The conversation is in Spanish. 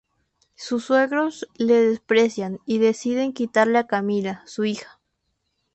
Sus suegros le desprecian y deciden quitarle a Camila, su hija.